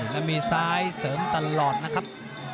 แล้วมีซ้ายเสริมตลอดนะครับ